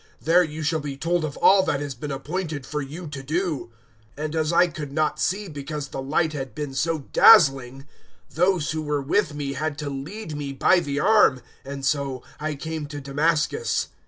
There you shall be told of all that has been appointed for you to do.' 022:011 "And as I could not see because the light had been so dazzling, those who were with me had to lead me by the arm, and so I came to Damascus.